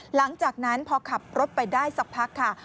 หลังจากนั้นพอขับรถไปได้สักพักค่ะ